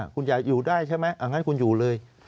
คุณอยากอยู่ได้ใช่ไหมอันนั้นคุณอยู่เลย